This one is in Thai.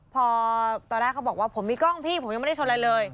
พอตอนแรกเขาบอกว่าผมมีกล้องพี่ผมยังไม่ได้ชนอะไรเลย